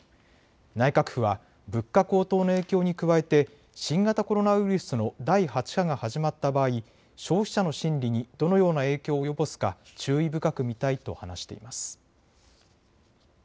内閣府は物価高騰の影響に加えて新型コロナウイルスの第８波が始まった場合、消費者の心理にどのような影響を及ぼすか注意深く見たいと話しています。